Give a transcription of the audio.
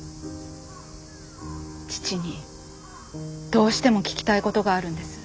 父にどうしても聞きたいことがあるんです。